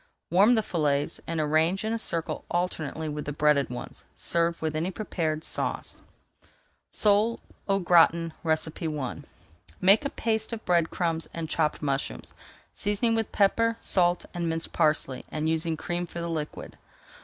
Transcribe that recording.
Warm the fillets and arrange in a circle alternately with the breaded ones. Serve with any preferred sauce. SOLE AU GRATIN I Make a paste of bread crumbs and chopped [Page 394] mushrooms, seasoning with pepper, salt, and minced parsley, and using cream for the liquid.